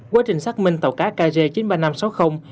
quá trình xác minh tàu cá kg chín mươi ba nghìn năm trăm sáu mươi